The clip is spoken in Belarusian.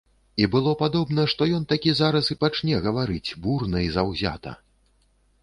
І было падобна, што ён такі зараз і пачне гаварыць, бурна і заўзята.